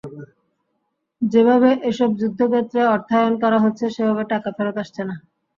যেভাবে এসব যুদ্ধক্ষেত্রে অর্থায়ন করা হচ্ছে, সেভাবে টাকা ফেরত আসছে না।